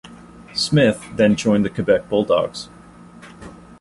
Smith then joined the Quebec Bulldogs.